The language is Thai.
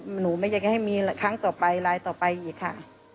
หนูไม่อยากให้มีครั้งต่อไปรายต่อไปอีกค่ะ